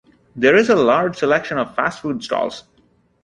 There is a large selection of fast food stalls.